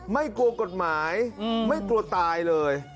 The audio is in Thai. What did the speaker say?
ไม่กลัวกฎหมายไม่กลัวตายเลย